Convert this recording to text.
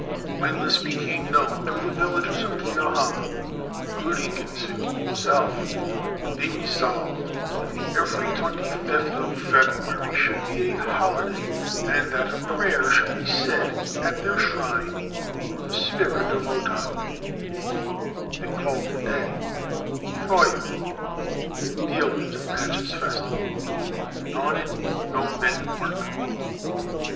When this became known to the villagers of Kinohama, including Gensuke himself, they resolved that every 25th of February should be a holiday, and that a prayer should be said at their shrine for the spirit of Ancient Tales and Folklore of Japan O Tani. They call the day " Joya " (Dealer in Matches Festival), and on it no men work.'